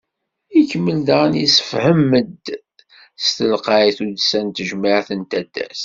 Ikemmel daɣen, yessefhem-d s telqay tuddsa n tejmeɛt n taddart.